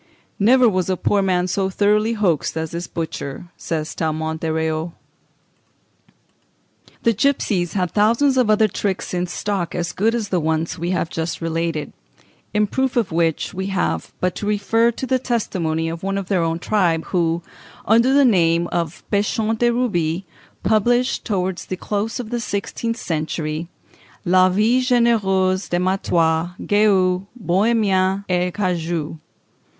"Never was a poor man so thoroughly hoaxed as this butcher," says Tallemant des Réaux. The gipsies had thousands of other tricks in stock as good as the ones we have just related, in proof of which we have but to refer to the testimony of one of their own tribe, who, under the name of Pechon de Ruby, published, towards the close of the sixteenth century, "La Vie Généreuse des Mattois, Guex, Bohémiens, et Cagoux."